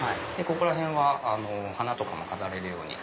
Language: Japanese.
ここらへんは花も飾れるように。